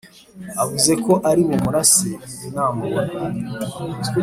avuze ko ari bumurase namubona